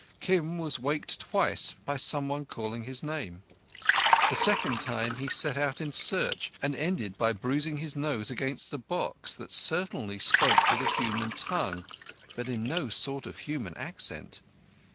Kim was waked twice by someone calling his name. The second time he set out in search, and ended by bruising his nose against a box that certainly spoke with a human tongue, but in no sort of human accent.